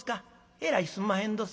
えらいすんまへんどす」。